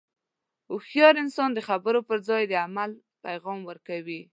هوښیار انسان د خبرو پر ځای د عمل پیغام ورکوي.